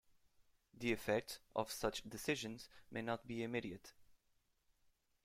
The effects of such decisions may not be immediate.